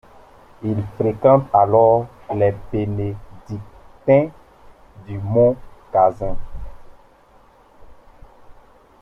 Il fréquente alors les Bénédictins du mont Cassin.